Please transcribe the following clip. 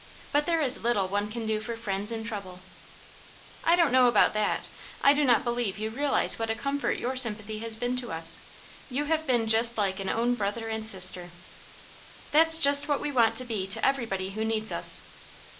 But there is little one can do for friends in trouble.*' " I don't know about that. I do not believe you realize what a comfort your sympathy has been to us. You have been like an own brother and sister." "That's just what we want to be to everybody who needs us."